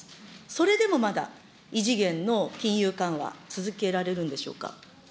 それでもまだ異次元の金融緩和続けられるんでしょうか。